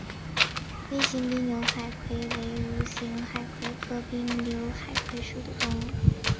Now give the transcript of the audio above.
微型滨瘤海葵为蠕形海葵科滨瘤海葵属的动物。